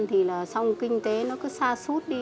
thì là xong kinh tế nó cứ xa suốt đi